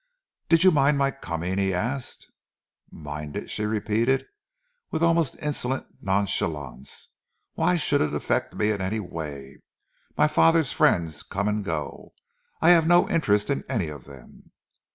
"Did you mind my coming?" he asked. "Mind it?" she repeated, with almost insolent nonchalance. "Why should it affect me in any way? My father's friends come and go. I have no interest in any of them."